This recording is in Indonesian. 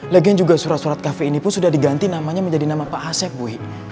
lagian juga surat surat kafe ini pun sudah diganti namanya menjadi nama pak asep buy